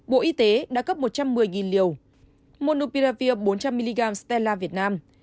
bộ y tế đã cấp một trăm một mươi liều monupiravir bốn trăm linh mg steella việt nam